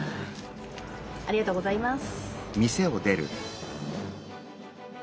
ありがとうございます。